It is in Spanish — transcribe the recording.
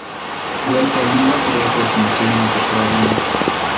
Huerta ganó la pelea por sumisión en la tercera ronda.